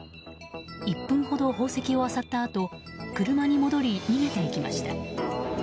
１分ほど宝石をあさったあと車に戻り、逃げていきました。